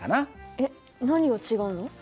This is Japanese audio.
えっ何が違うの？